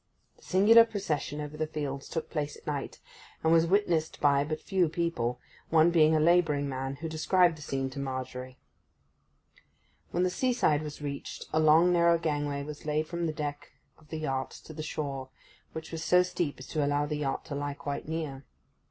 The singular procession over the fields took place at night, and was witnessed by but few people, one being a labouring man, who described the scene to Margery. When the seaside was reached a long, narrow gangway was laid from the deck of the yacht to the shore, which was so steep as to allow the yacht to lie quite near.